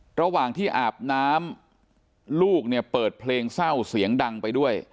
ระหว่างที่อาบน้ำลูกเนี่ยเปิดเพลงเศร้าเสียงดังไปด้วย